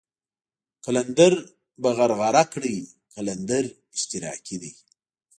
قلندر په غرغره کړئ قلندر اشتراکي دی.